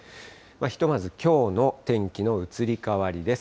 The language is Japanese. ひとまずきょうの天気の移り変わりです。